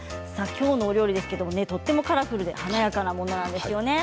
きょうのお料理ですけれどもとてもカラフルで華やかなものなんですよね。